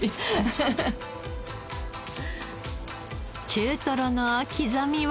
中トロの刻みは？